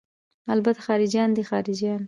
الته خارجيان دي خارجيان.